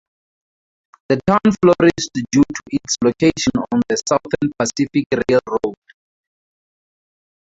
The town flourished due to its location on the Southern Pacific Railroad.